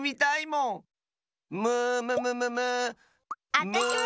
あたしも！